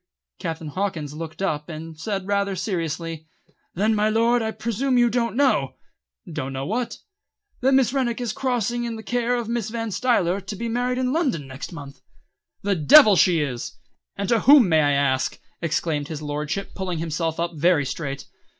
Captain Hawkins looked up and said rather seriously: "Then, my Lord, I presume you don't know " "Don't know what?" "That Miss Rennick is crossing in the care of Mrs. Van Stuyler, to be married in London next month." "The devil she is! And to whom, may I ask?" exclaimed his lordship, pulling himself up very straight.